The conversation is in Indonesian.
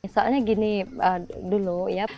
soalnya gini dulu ya